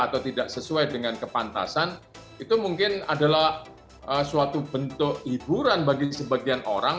atau tidak sesuai dengan kepantasan itu mungkin adalah suatu bentuk hiburan bagi sebagian orang